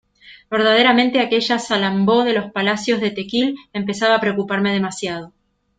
verdaderamente, aquella Salambó de los palacios de Tequil empezaba a preocuparme demasiado.